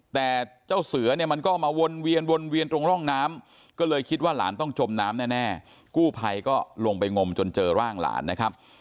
แต่เจ้าเสือเนี่ยมันก็มาวนเวียนวนเวียนตรงร่องน้ำก็เลยคิดว่าหลานต้องจมน้ำแน่กู้ภัยก็ลงไปงมจนเจอร่างหลานนะครับ